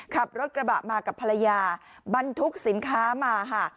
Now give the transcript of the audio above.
ขับรถกระบะมากับภรรยาบรรทุกสินค้ามาค่ะ